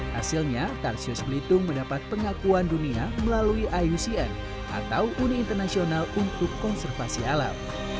hasilnya tarsius belitung mendapat pengakuan dunia melalui iucn atau uni internasional untuk konservasi alam